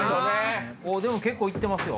でも結構行ってますよ。